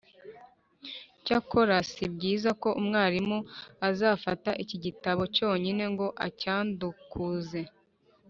Cyakora si byiza ko umwarimu azafata iki gitabo cyonyine ngo acyandukuze